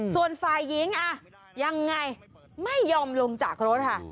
ส่วนฝ่ายหญิงยังไงไม่ยอมลงจากรถค่ะ